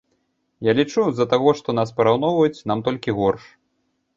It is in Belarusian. Я лічу, з-за таго, што нас параўноўваюць, нам толькі горш.